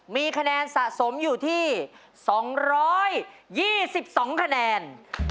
มีคะแนนสะสมอยู่ที่๒๒คะแนน